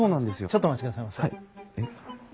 ちょっとお待ちくださいませ。